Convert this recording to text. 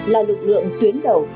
là lực lượng tuyến đầu